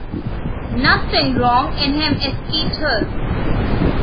Nothing wrong in him escaped her.